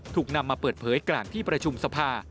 ถูกนำมาเปิดเผยกลางที่ประชุมสภา